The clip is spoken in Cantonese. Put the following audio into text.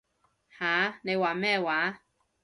吓？你話咩話？